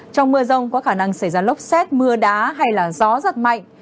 trong mưa rông có khả năng xảy ra lốc xét mưa đá hay gió giật mạnh